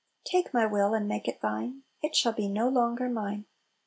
44 Take my will, and make it Thine; It shall be no longer mine.